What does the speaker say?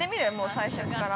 最初から。